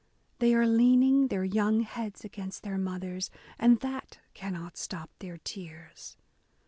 They are leaning their young heads against their mothers. And that cannot stop their tears.